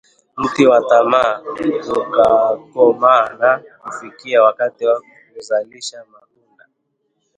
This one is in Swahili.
Mti wa tamaa, ukakomaa na kufika wakati wa kuzalisha matunda